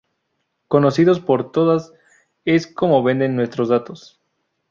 Conocidos por todas es como venden nuestros datos